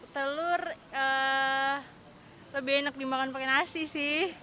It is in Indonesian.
telur lebih enak dimakan pakai nasi sih